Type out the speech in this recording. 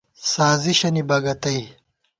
سازِشَنی بکَتَئ